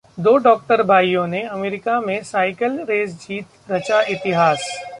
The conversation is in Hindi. दो डॉक्टर भाइयों ने अमेरिका में साइकिल रेस जीत रचा इतिहास